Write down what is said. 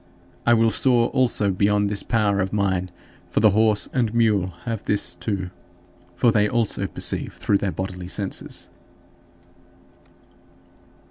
I will soar also beyond this power of mine, for the horse and mule have this too, for they also perceive through their bodily senses.